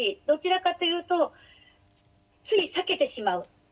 どちらかというとつい避けてしまう。